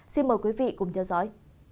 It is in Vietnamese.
xin mời quý vị cùng theo dõi